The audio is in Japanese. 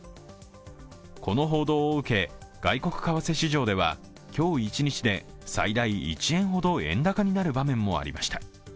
この報道を受け、外国為替市場では今日一日で最大１円ほど円高になる場面もありました。